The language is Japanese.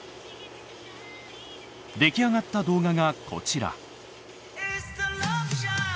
出来上がった動画がこちら。